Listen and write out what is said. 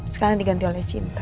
sekarang diganti oleh cinta